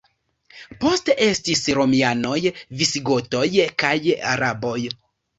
Poste estis romianoj, visigotoj kaj araboj.